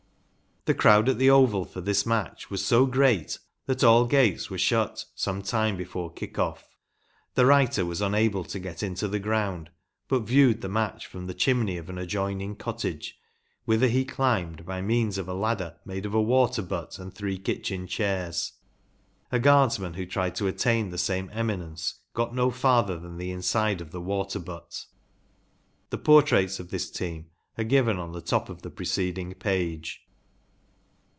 The crowd at the Oval for this match was so great that all gates were shut some time before kick off. The writer was unable to get inter the ground, but viewed the match from the chimney of an adjoining cottage, whither he climbed by means of a ladder made of a water butt and three kitchen chairs. A Guardsman who tried to attain the same eminence got no farther than the inside of the water butt. The portraits of this team are given on the top of the preceding page.